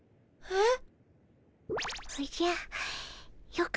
えっ。